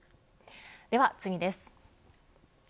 では次です。